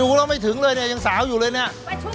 เราไม่ถึงเลยเนี่ยยังสาวอยู่เลยเนี่ย